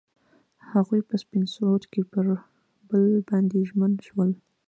هغوی په سپین سرود کې پر بل باندې ژمن شول.